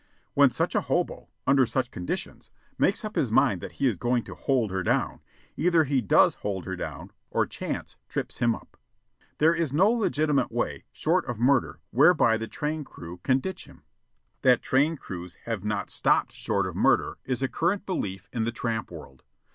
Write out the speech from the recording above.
When such a hobo, under such conditions, makes up his mind that he is going to hold her down, either he does hold her down, or chance trips him up. There is no legitimate way, short of murder, whereby the train crew can ditch him. That train crews have not stopped short of murder is a current belief in the tramp world.